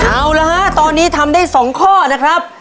เอาละฮะตอนนี้ทำได้๒ข้อนะครับ